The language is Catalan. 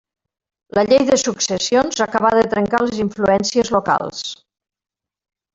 La llei de successions acabà de trencar les influències locals.